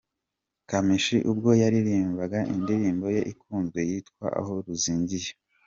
Kamichi, ubwo yaririmbaga indirimbo ye ikunzwe yitwa Aho Ruzingiye.